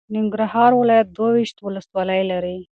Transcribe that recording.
ننګرهار ولایت دوه ویشت ولسوالۍ لري.